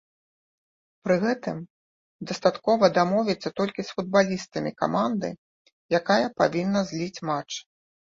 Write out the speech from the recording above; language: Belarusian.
Пры гэтым, дастаткова дамовіцца толькі з футбалістамі каманды, якая павінна зліць матч.